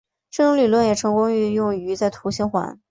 这个理论也成功的运用在土星环。